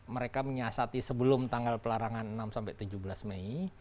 mereka menyiasati sebelum tanggal pelarangan enam sampai tujuh belas mei